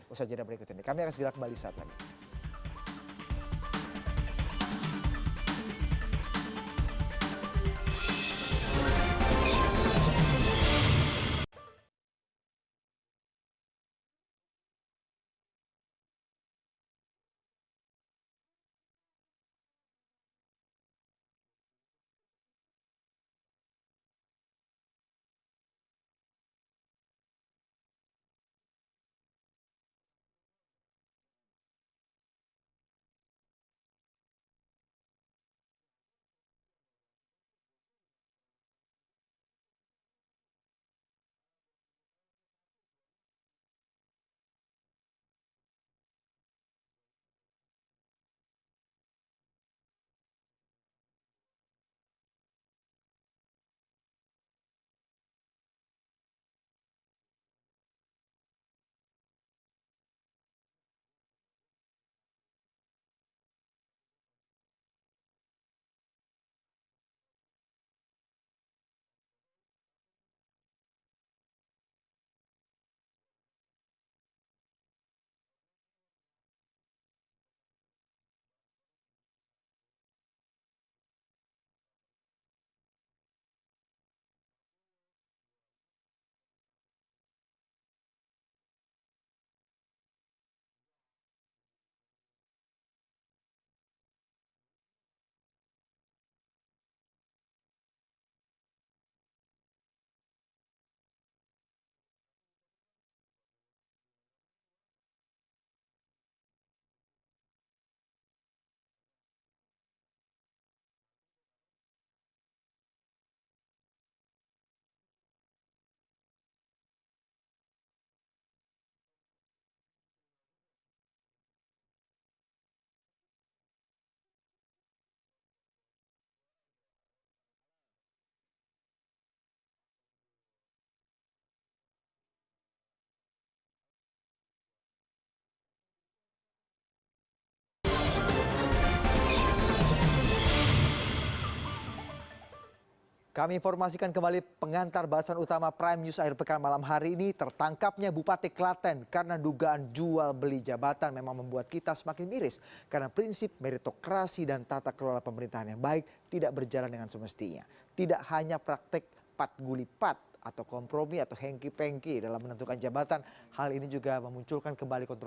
usaha jenama berikut ini kami akan segera kembali